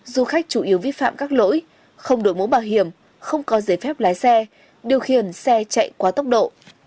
du khách chủ yếu vi phạm các lỗi không đổi mũ bảo hiểm không có giấy phép lái xe điều khiển xe chạy quá tốc độ